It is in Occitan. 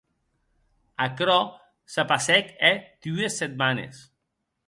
Aquerò se passèc hè dues setmanes.